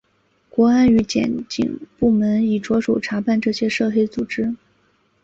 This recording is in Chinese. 国安与检警部门已着手查办这些涉黑组织。